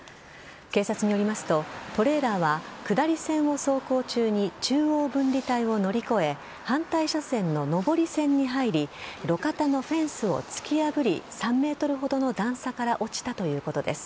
警察によりますと、トレーラーは下り線を走行中に中央分離帯を乗り越え反対車線の上り線に入り路肩のフェンスを突き破り３ｍほどの段差から落ちたということです。